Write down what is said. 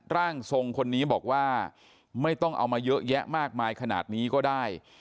ร่างทรงคนนี้บอกว่าไม่ต้องเอามาเยอะแยะมากมายขนาดนี้ก็ได้